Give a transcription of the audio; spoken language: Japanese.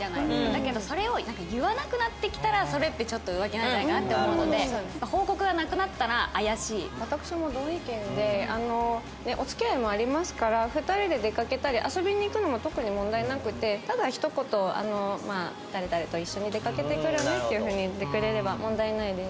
だけどそれを言わなくなってきたらそれってちょっと浮気なんじゃないかなって思うので私も同意見でお付き合いもありますから２人で出かけたり遊びに行くのも特に問題なくてただ一言誰々と一緒に出かけてくるねっていうふうに言ってくれれば問題ないです。